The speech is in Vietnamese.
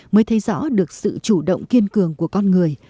mới thấy rõ được sự chủ động kiên cường của con người